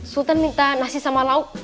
sultan minta nasi sama lauk